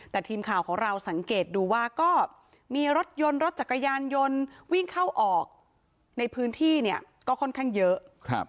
แต่ทีมข่าวของเราสังเกตดูว่าก็มีรถยนต์รถจักรยานยนต์วิ่งเข้าออกในพื้นที่เนี่ยก็ค่อนข้างเยอะ